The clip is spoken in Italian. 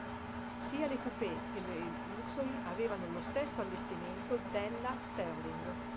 Sia le coupé che le "Luxury" avevano lo stesso allestimento della "Sterling".